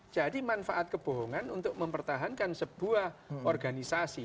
jadi manfaat kebohongan untuk mempertahankan sebuah organisasi